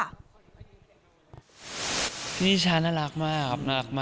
วิชาร์น่ารักมากคือเขาเป็นคนเก่ง